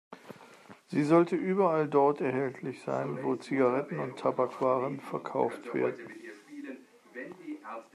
Sie sollte überall dort erhältlich sein, wo Zigaretten und Tabakwaren verkauft werden.